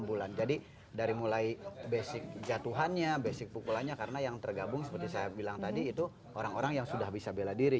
enam bulan jadi dari mulai basic jatuhannya basic pukulannya karena yang tergabung seperti saya bilang tadi itu orang orang yang sudah bisa bela diri